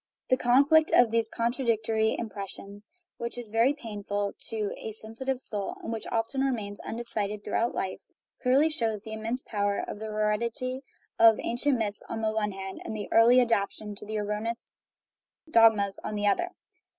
The conflict of these con tradictory impressions, which is very painful to a sensi tive soul, and which often remains undecided through out life, clearly shows the immense power of the hered ity of ancient myths on the one hand and the early adaptation to erroneous dogmas on the other.